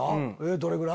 どれぐらい？